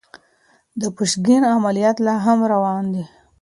د پوشکين عمليات لا هم روان دي.